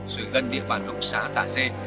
rồi gần địa bàn đồng xá tà dê